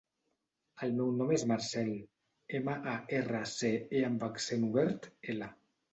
El meu nom és Marcèl: ema, a, erra, ce, e amb accent obert, ela.